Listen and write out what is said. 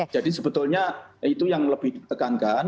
jadi sebetulnya itu yang lebih ditekankan